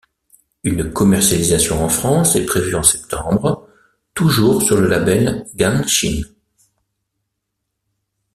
Une commercialisation en France est prévu en septembre, toujours sur le label Gan-Shin.